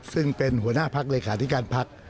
ซึ่งเป็นหัวหน้าพักเลขาธิการพัก